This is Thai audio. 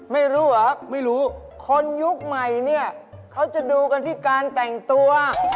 ไม่รู้เหรอไม่รู้คนยุคใหม่เนี่ยเขาจะดูกันที่การแต่งตัว